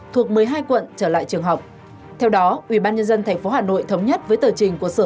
thuộc một mươi hai quận trở lại trường học theo đó ủy ban nhân dân tp hà nội thống nhất với tờ trình của sở